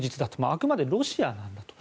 あくまでロシアなんだと。